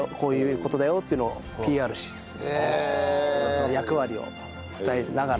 その役割を伝えながら。